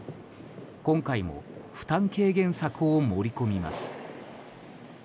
今回も負担軽減策を盛り込みます。